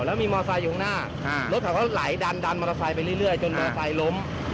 แล้วมีมอสไตรอยู่ข้างหน้ารถเขาไหลดันดันมอสไตรไปเรื่อยจนมอสไตรล้ม